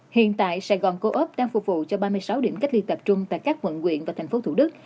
hiện tại sài gòn co op đang phục vụ cho ba mươi sáu điểm cách ly tập trung tại các vận quyện và thành phố thủ đức